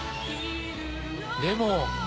でも。